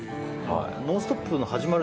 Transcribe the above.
「ノンストップ！」の始まる